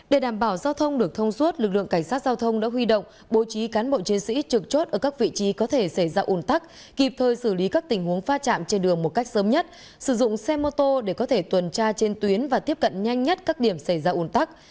để đảm bảo giao thông được thông suốt lực lượng cảnh sát giao thông đã huy động bố trí cán bộ chiến sĩ trực chốt ở các vị trí có thể xảy ra ủn tắc kịp thời xử lý các tình huống pha chạm trên đường một cách sớm nhất sử dụng xe mô tô để có thể tuần tra trên tuyến và tiếp cận nhanh nhất các điểm xảy ra ồn tắc